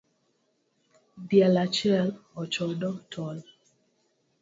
Diel achiel ochodo tol